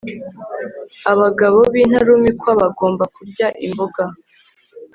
Abagabo bintarumikwa bagomba kurya imboga